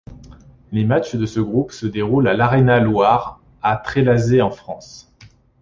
Les matchs de ce groupe se déroulent à l'Arena Loire à Trélazé en France.